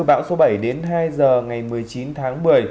bão số bảy đến hai h ngày một mươi chín tháng một mươi